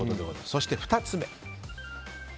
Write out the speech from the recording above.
そして２つ目。